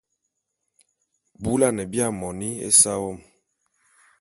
Bula’ane bia moni esa won !